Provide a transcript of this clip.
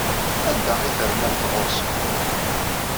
Anda ay ternamt ɣer-sen?